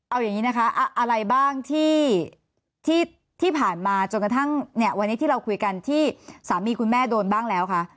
เอาอย่างนี้นะคะอะไรบ้างที่ผ่านมาจนกระทั่งเนี่ยวันนี้ที่เราคุยกันที่สามีคุณแม่โดนบ้างแล้วคะ